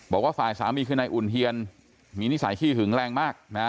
บอกว่าฝ่ายสามีคือนายอุ่นเทียนมีนิสัยขี้หึงแรงมากนะ